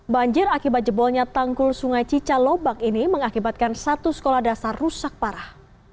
banjir akibat jebolnya tanggul sungai cicalobak ini mengakibatkan satu sekolah dasar rusak parah